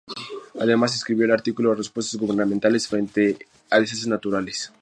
Además, escribió el artículo "Respuestas gubernamentales frente a desastres naturales.